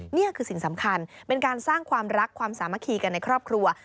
นี่คือสิ่งสำคัญเป็นการสร้างความรักความสามัคคีกันในครอบครัว